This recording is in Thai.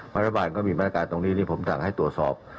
รัฐบาลก็มีมาตรการตรงนี้ที่ผมสั่งให้ตรวจสอบ